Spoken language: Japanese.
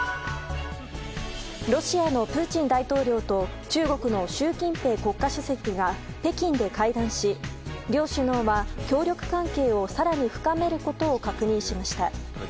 ロシアのプーチン大統領と中国の習近平国家主席が北京で会談し、両首脳は協力関係を更に深めることを確認しました。